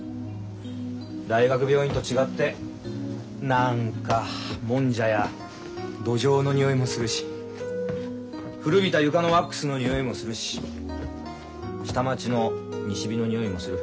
大学病院と違って何かもんじゃやどじょうの匂いもするし古びた床のワックスの匂いもするし下町の西日の匂いもする。